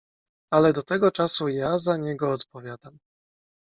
"Ale do tego czasu ja za niego odpowiadam."